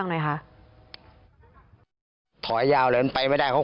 กระทั่งตำรวจก็มาด้วยนะคะ